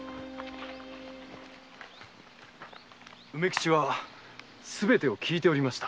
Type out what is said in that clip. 梅吉はすべてを聞いておりました。